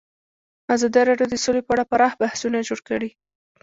ازادي راډیو د سوله په اړه پراخ بحثونه جوړ کړي.